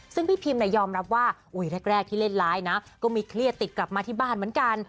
ซึ่งพี่พิมยอมรับว่าแรกที่เล่นร้ายนะก็มีเครียดติดกลับมาที่บ้านเหมือนกัน